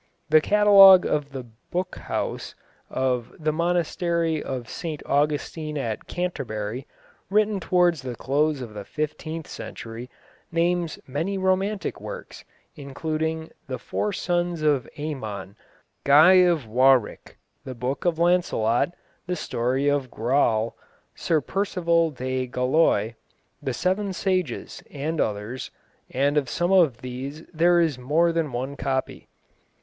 The catalogue of the "boc house" of the monastery of St Augustine at Canterbury, written towards the close of the fifteenth century, names many romantic works, including the Four Sons of Aymon, Guy of Warwick, The Book of Lancelot, The Story of the Graal, Sir Perceval de Galois, The Seven Sages, and others, and of some of these there is more than one copy.